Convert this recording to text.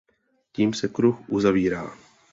Tím se kruh uzavírá.